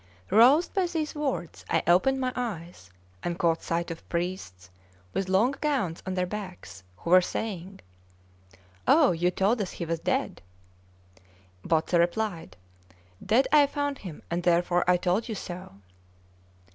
Roused by these words, I opened my eyes, and caught sight of priests with long gowns on their backs, who were saying: "Oh, you told us he was dead!" Bozza replied: "Dead I found him, and therefore I told you so."